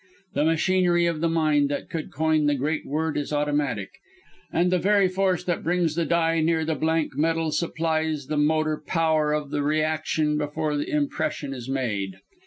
The machinery of the mind that could coin the great Word is automatic, and the very force that brings the die near the blank metal supplies the motor power of the reaction before the impression is made